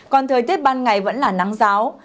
còn thời tiết ban ngày vẫn là nắng ráo